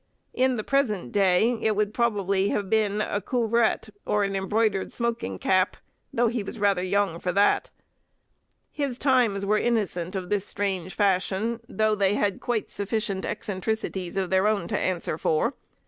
In the present day it would probably have been a couvrette, or an embroidered smoking cap, though he was rather young for that. His times were innocent of this strange fashion, though they had quite sufficient eccentricities of their own to answer for.